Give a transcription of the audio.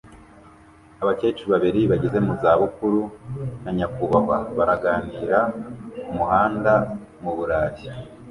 Abakecuru babiri bageze mu za bukuru na nyakubahwa baraganira ku muhanda mu Burayi